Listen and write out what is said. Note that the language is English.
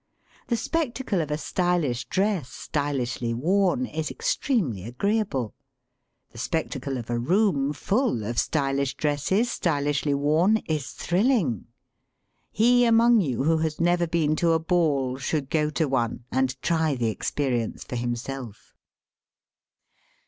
The spectacle of a stylish dress stylishly worn is ex tremely agreeable. The spectacle of a room full of stylish dresses stylishly worn is thrilling. He among you who has never been to a ball should go to one and try the experience for himself.